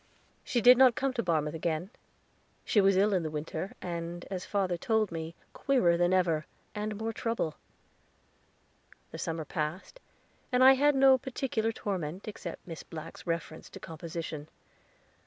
She did not come to Barmouth again. She was ill in the winter, and, father told me, queerer than ever, and more trouble. The summer passed, and I had no particular torment, except Miss Black's reference to composition.